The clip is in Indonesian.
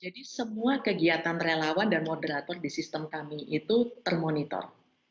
jadi semua kegiatan relawan dan moderator di sistem kami itu termonitor